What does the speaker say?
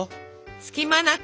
隙間なく。